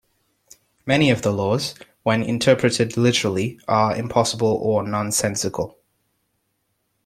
Many of the laws, when interpreted literally, are impossible or nonsensical.